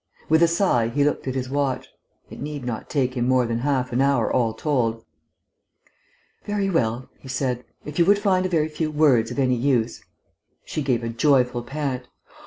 With a sigh he looked at his watch. It need not take him more than half an hour, all told. "Very well," he said. "If you would find a very few words of any use " She gave a joyful pant.